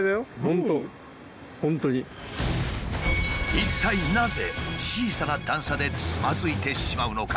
一体なぜ小さな段差でつまずいてしまうのか？